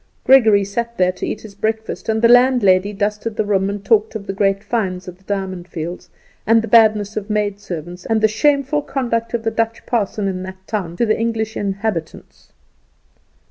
Gregory sat there to eat his breakfast, and the landlady dusted the room and talked of the great finds at the Diamond Fields, and the badness of maid servants, and the shameful conduct of the Dutch parson in that town to the English inhabitants.